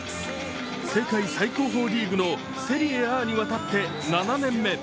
世界最高峰リーグのセリエＡにわたって７年目。